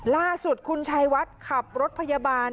ล่าสุดคุณชายวัดขับรถพยาบาล